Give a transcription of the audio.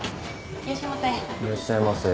いらっしゃいませ。